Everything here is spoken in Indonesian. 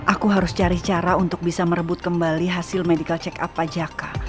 aku harus cari cara untuk bisa merebut kembali hasil medical check up pajaka